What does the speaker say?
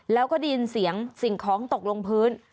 แล้วก็ได้ยินเสียงสิ่งของตกลงพื้น